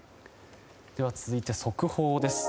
続いて速報です。